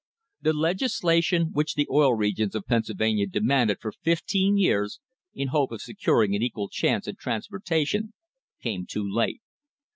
The legislation which the Oil Regions of Pennsylvania demanded for fifteen years in hope of securing an equal chance in transportation came too late.